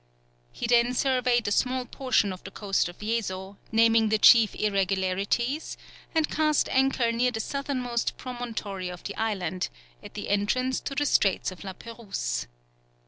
He then surveyed a small portion of the coast of Yezo, naming the chief irregularities, and cast anchor near the southernmost promontory of the island, at the entrance to the Straits of La Pérouse.